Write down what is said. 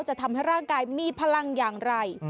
จะทำให้ร่างกายมีพลังอย่างไร